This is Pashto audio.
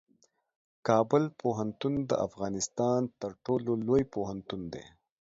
کابل پوهنتون د افغانستان تر ټولو لوی پوهنتون دی.